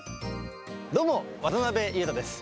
どうも、渡辺裕太です。